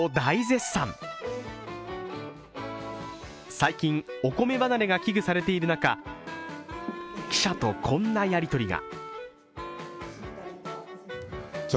最近、お米離れが危惧されている中記者とこんなやりとりが。